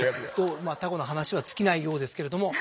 タコの話は尽きないようですけれども。